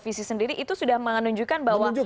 visi sendiri itu sudah menunjukkan bahwa